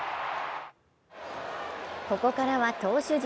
ここからは投手陣。